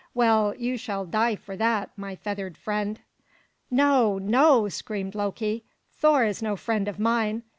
Well, you shall die for that, my feathered friend!" "No, no!" screamed Loki. "Thor is no friend of mine.